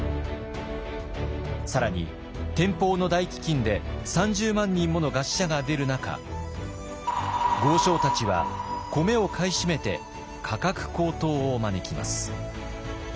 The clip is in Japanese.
更に天保の大飢饉で３０万人もの餓死者が出る中豪商たちは米を買い占めて価格高騰を招きます。